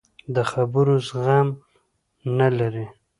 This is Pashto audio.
د خبرو زغم نه لري.